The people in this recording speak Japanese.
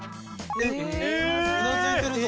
うなずいてるぞ。